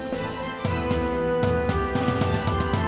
เมื่อ